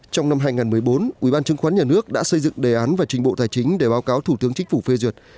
trong năm hai nghìn một mươi bốn ubnd đã xây dựng đề án và trình bộ tài chính để báo cáo thủ tướng chính phủ phê duyệt